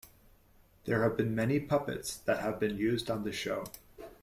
There have been many puppets that have been used on the show.